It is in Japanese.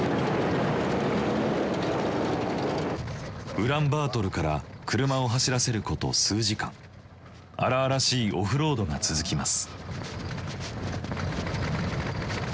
ウランバートルから車を走らせること数時間荒々しいオフロードが続きます。